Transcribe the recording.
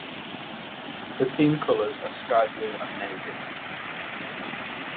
The team colours are sky blue and navy.